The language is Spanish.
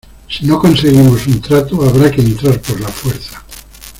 Si no conseguimos un trato habrá que entrar por la fuerza.